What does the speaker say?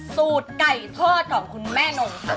สูตรไก่โทษของคุณแม่นง